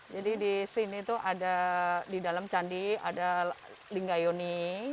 jadi disini tuh ada di dalam candi ada lingayoni